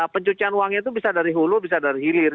pencucian uangnya itu bisa dari hulu bisa dari hilir